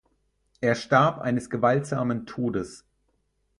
Er starb eines gewaltsamen Todes.